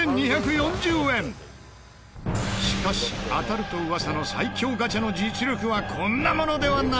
しかし当たると噂の最強ガチャの実力はこんなものではない！